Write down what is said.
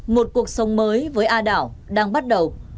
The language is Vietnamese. một cuộc sống mới với a đảo đang bắt đầu